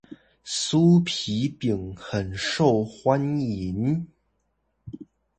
酥皮餅很受歡迎